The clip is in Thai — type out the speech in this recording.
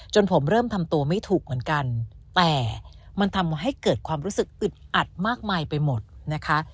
ผมเริ่มทำตัวไม่ถูกเหมือนกันแต่มันทำให้เกิดความรู้สึกอึดอัดมากมายไปหมดนะคะ